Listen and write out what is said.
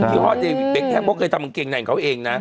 พี่ฮอร์ดเดวิดเบคแฮปป้องเคยทำเป็นเกงในของเขาเองนะ